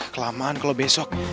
kelamaan kalo besok